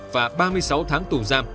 và ba mươi sáu tháng tù giam